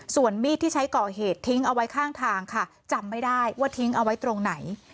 ส่วนมีดที่ใช้ก่อเหตุทิ้งเอาไว้ข้างทางค่ะจำไม่ได้ว่าทิ้งเอาไว้ตรงไหน